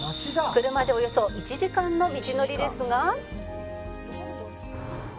「車でおよそ１時間の道のりですが」